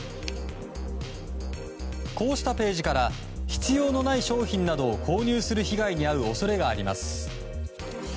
こうしたページから必要のない商品などを購入する被害に遭う恐れがあります。